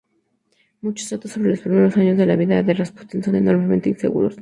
Muchos datos sobre los primeros años de la vida de Rasputín son enormemente inseguros.